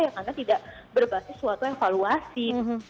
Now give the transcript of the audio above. karena tidak berbasis suatu evaluasi